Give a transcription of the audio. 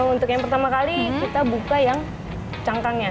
untuk yang pertama kali kita buka yang cangkangnya